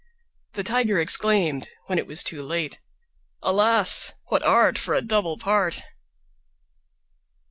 The Tiger exclaimed, when it was too late, "Alas! what art for a double part!"